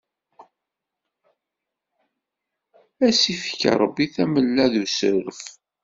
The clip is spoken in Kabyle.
As ifk ṛabbi tamella d usuref.